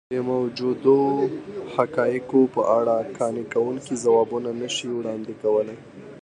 د موجودو حقایقو په اړه قانع کوونکي ځوابونه نه شي وړاندې کولی.